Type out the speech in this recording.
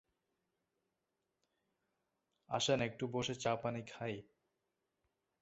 Cherenkov-Vavilov ক্রিয়া আবিষ্কার এবং এর বিভিন্ন রুপ নির্ণয়ের জন্য তারা এই পুরস্কার পেয়েছিলেন।